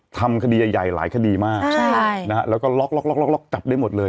ทำคดีใหญ่ใหญ่หลายคดีมากแล้วก็ล็อกล็อกจับได้หมดเลย